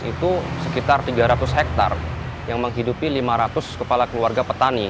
itu sekitar tiga ratus hektare yang menghidupi lima ratus kepala keluarga petani